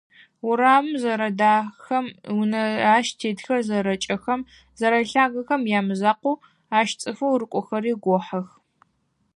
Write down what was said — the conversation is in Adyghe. Урамыр зэрэдахэм, унэу ащ тетхэр зэрэкӏэхэм, зэрэлъагэхэм ямызакъоу, ащ цӏыфэу рыкӏохэрэри гохьых.